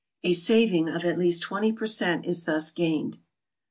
A saving of at least twenty per cent is thus gained.